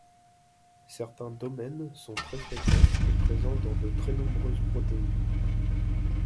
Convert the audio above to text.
Certains domaines sont très fréquents et présents dans de très nombreuses protéines.